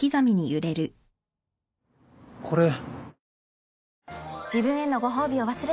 これ。